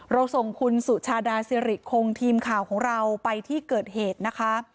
เราส่งคุณสุชาดาสิริคงทีมข่าวของเราไปที่เกิดเหตุนะคะ